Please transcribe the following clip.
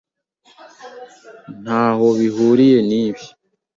Ntaho bihuriye nibi.